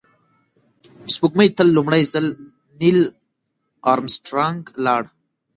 سپوږمۍ ته لومړی ځل نیل آرمسټرانګ لاړ